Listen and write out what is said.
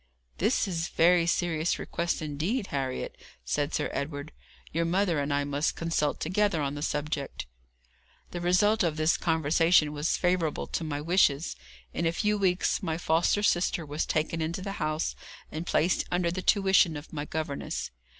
'This is a very serious request indeed, Harriet,' said Sir Edward. 'Your mother and I must consult together on the subject.' The result of this conversation was favourable to my wishes. In a few weeks my foster sister was taken into the house, and placed under the tuition of my governess.